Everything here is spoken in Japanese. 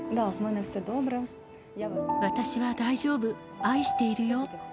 私は大丈夫、愛しているよ。